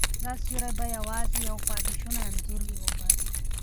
دا سیوری به یوازې یو پاتې شونی انځور وي او بس.